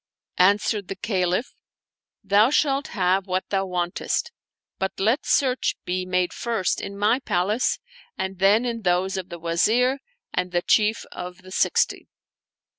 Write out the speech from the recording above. Answered the Caliph, "Thou shalt have what thou wantest; but let search be made first in my palace and then in those of the Wazir and the Chief of the Sixty."